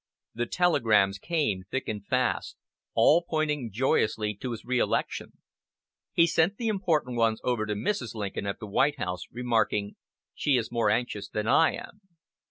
The telegrams came, thick and fast, all pointing joyously to his reelection. He sent the important ones over to Mrs. Lincoln at the White House, remarking, "She is more anxious that I am."